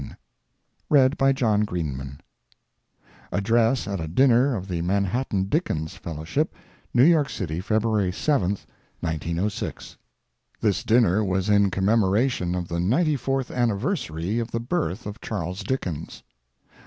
ON POETRY, VERACITY, AND SUICIDE ADDRESS AT A DINNER OF THE MANHATTAN DICKENS FELLOWSHIP, NEW YORK CITY, FEBRUARY 7, 1906 This dinner was in commemoration of the ninety fourth anniversary of the birth of Charles Dickens.